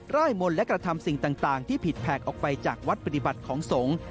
ร่ายมนต์และกระทำสิ่งต่างที่ผิดแผกออกไปจากวัดปฏิบัติของสงฆ์